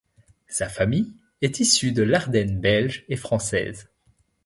Sa famille est issue de l’Ardenne belge et française.